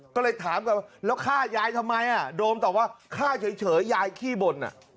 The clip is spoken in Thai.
ก็เลยถามกันว่าแล้วฆ่ายายทำไมโดมตอบว่าฆ่าเฉยยายขี้บ่น